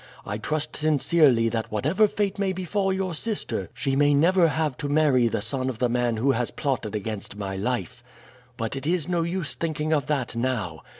I trust sincerely that whatever fate may befall your sister she may never have to marry the son of the man who has plotted against my life. But it is no use thinking of that now.